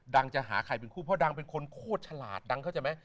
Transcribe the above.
จะหาใครเป็นคู่เพราะดังเป็นคนโคตรฉลาดดังเข้าใจไหม